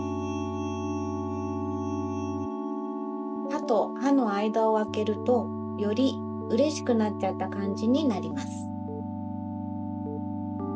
はとはのあいだをあけるとよりうれしくなっちゃったかんじになります。